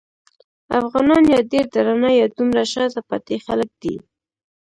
افغانان یا ډېر درانه یا دومره شاته پاتې خلک دي.